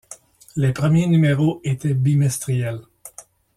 Les premiers numéros étaient bimestriels.